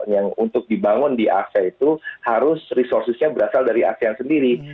yang untuk dibangun di asean itu harus resourcesnya berasal dari asean sendiri